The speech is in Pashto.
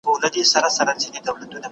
له ماشوم سره ماشوم اوسئ.